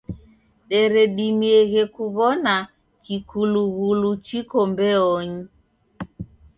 Deredimieghe kuw'ona kikulughulu chiko mbeonyi.